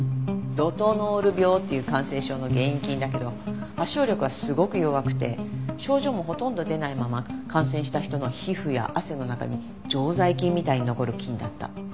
ロトノール病っていう感染症の原因菌だけど発症力はすごく弱くて症状もほとんど出ないまま感染した人の皮膚や汗の中に常在菌みたいに残る菌だった。